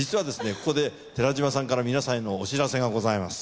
ここで寺島さんから皆さんへのお知らせがございます。